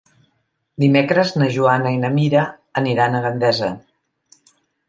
Dimecres na Joana i na Mira aniran a Gandesa.